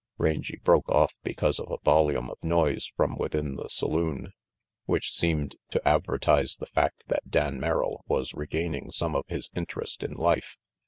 Rangy broke off because of a volume of noise from within the saloon, which seemed to advertise the fact that Dan Merrill was regaining some of his interest in life.